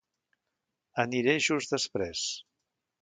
Aniré just desprès.